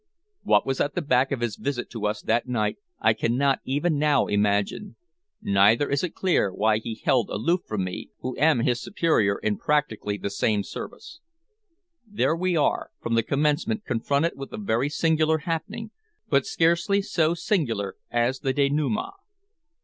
What was at the back of his visit to us that night I cannot even now imagine. Neither is it clear why he held aloof from me, who am his superior in practically the same service. There we are, from the commencement, confronted with a very singular happening, but scarcely so singular as the denouement.